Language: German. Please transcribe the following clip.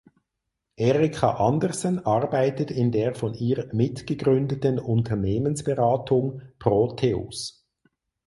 Erika Andersen arbeitet in der von ihr mitgegründeten Unternehmensberatung "Proteus".